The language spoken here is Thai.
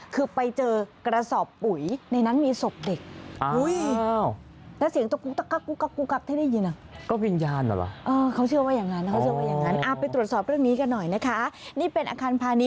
คือไปเจอกระสอบปุ๋ยในนั้นมีศพเด็ก